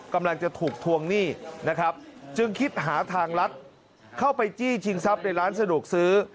กำลังจะถูกทวงหนี้นะครับจึงคิดหาทางลัดเข้าไปจี้ชิงทรัพย์ในร้านสะดวกซื้อ